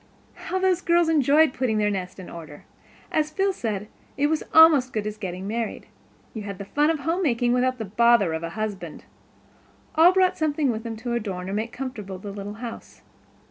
How those girls enjoyed putting their nest in order! As Phil said, it was almost as good as getting married. You had the fun of homemaking without the bother of a husband. All brought something with them to adorn or make comfortable the little house.